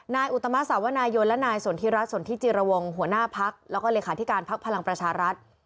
อุตมะสาวนายนและนายสนทิรัฐสนทิจิรวงหัวหน้าพักแล้วก็เลขาธิการพักพลังประชารัฐ